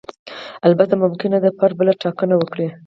البته ممکنه ده فرد بله ټاکنه وکړي.